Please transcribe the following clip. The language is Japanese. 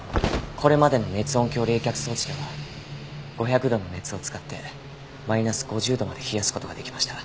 これまでの熱音響冷却装置では５００度の熱を使ってマイナス５０度まで冷やす事ができました。